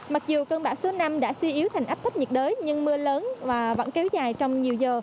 mặc dù cơn bão số năm đã suy yếu thành áp thấp nhiệt đới nhưng mưa lớn và vẫn kéo dài trong nhiều giờ